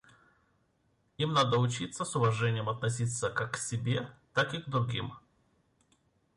Им надо учиться с уважением относиться как к себе, так и к другим.